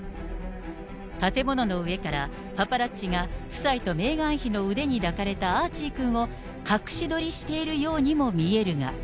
建物の上から、パパラッチが夫妻とメーガン妃の腕に抱かれたアーチーくんを隠し撮りしているようにも見えるが。